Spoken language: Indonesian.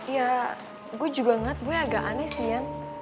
ya gue juga ngeliat boy agak aneh sih yan